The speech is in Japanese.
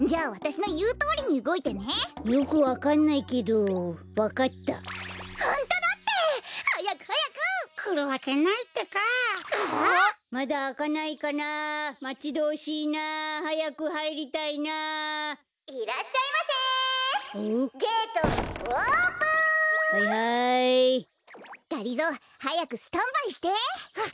がりぞーはやくスタンバイして。わわかった！